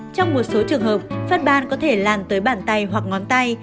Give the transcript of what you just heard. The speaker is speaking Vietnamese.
trong một số trường hợp phát ban có thể làn tới bàn tay hoặc ngón tay